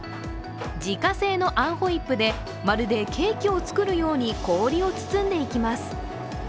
自家製の餡ホイップでまるでケーキを作るように氷を包んでいきます。